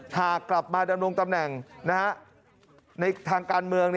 หากกลับมาดำรงตำแหน่งในทางการเมือง